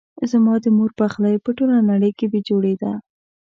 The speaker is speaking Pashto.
زما د مور پخلی په ټوله نړۍ کې بي جوړي ده